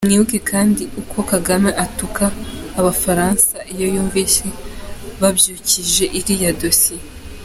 Mwibuke kandi uko Kagame atuka abafaransa, iyo yumvise babyukije iriya dossier.